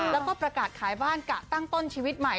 แล้วก็ประกาศขายบ้านกะตั้งต้นชีวิตใหม่